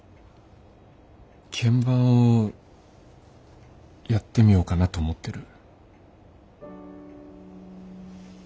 鍵盤をやってみようかなと思ってる。